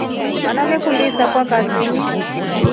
Vana veekundi isaakwa katuni.